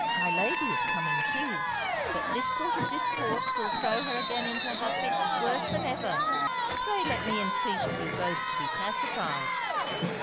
My lady is coming to; but this sort of discourse will throw her again into her fits worse than ever. Pray let me entreat of you both to be pacified.'